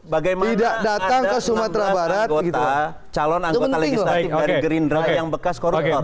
bagaimana ada enam belas anggota calon anggota legislatif dari gerindra yang bekas korupor